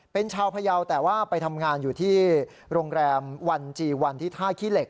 เป็นชาวพยาวแต่ว่าไปทำงานอยู่ที่โรงแรมวันจีวันที่ท่าขี้เหล็ก